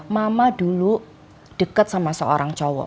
mama dulu dekat sama seorang cowok